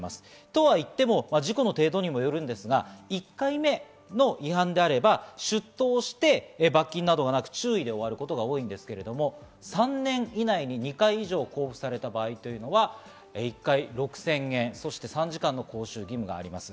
とは言っても事故の程度にもよりますが、１回目の違反であれば、出頭して罰金などはなく注意で終わることが多いんですが、３年以内に２回以上交付された場合は１回６０００円、そして３時間の講習義務があります。